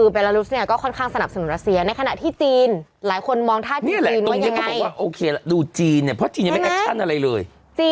เบลารุสก็ค่อนข้างสนับสนุนรัสเซียในขณะที่จีนหลายคนมองท่าจีนจีนว่ายังไง